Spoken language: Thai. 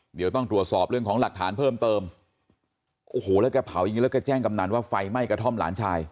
เดี๋ยวต้องตรวจสอบเรื่องของหลักฐานเพิ่มเติมโอ้โหแล้วแกเผาอย่างงี้แล้วก็แจ้งกำนันว่าไฟไหม้กระท่อมหลานชาย